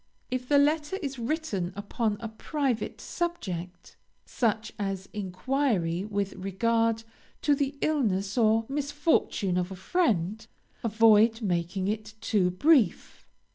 If the letter is upon a private subject, such as enquiry with regard to the illness or misfortune of a friend, avoid making it too brief.